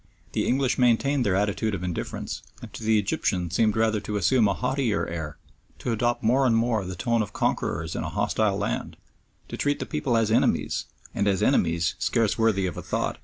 The English maintained their attitude of indifference, and to the Egyptian seemed rather to assume a haughtier air, to adopt more and more the tone of conquerors in a hostile land, to treat the people as enemies, and as enemies scarce worthy of a thought.